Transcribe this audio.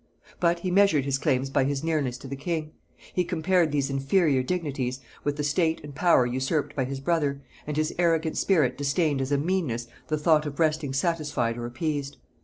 But he measured his claims by his nearness to the king; he compared these inferior dignities with the state and power usurped by his brother, and his arrogant spirit disdained as a meanness the thought of resting satisfied or appeased.